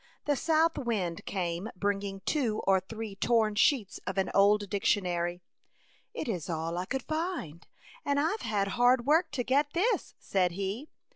The south wind came bringing two or three torn sheets of an old dic tionary. " It is all I could find, and IVe had hard work to get this," said he.